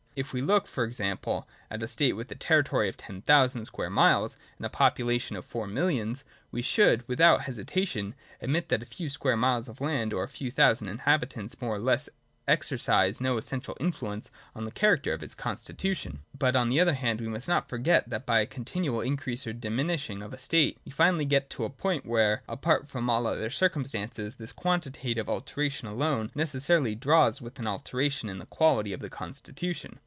If we look e. g. at a state with a territory of ten thousand square miles and a population of four millions, we should, without hesitation, admit that a few square miles of land or a few thousand inhabitants more or less could exercise no essential influence on the character of its constitution. But, on the other hand, we must not forget, that by the continual increase or diminishing of a state, we finally get to a point where, apart from all other circumstances, this quantitative alteration alone necessarily draws with it an alteration in the quality of the constitution.